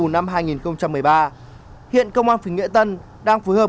năm hai nghìn một mươi ba hiện công an phỉnh nghệ tân đang phối hợp